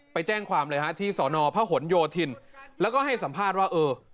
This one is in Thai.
ไปแจ้งความเลยที่ศพโยทินแล้วก็ให้สัมภาษณ์ว่า